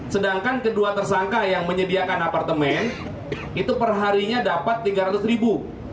sedangkan kedua tersangka yang menyediakan apartemen itu perharinya dapat tiga ratus ribu